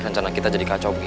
rencana kita jadi kacau